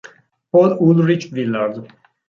Paul Ulrich Villard